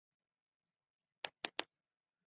在场上司职中后卫。